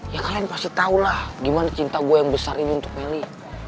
ya kalian pasti tahu lah gimana cinta gue yang besar ini untuk meli